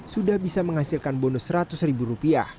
sudah bisa menghasilkan bonus rp seratus